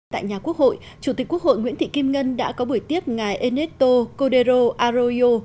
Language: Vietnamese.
tại nhà quốc hội chủ tịch quốc hội nguyễn thị kim ngân đã có buổi tiếp ngài eneto codero aroyo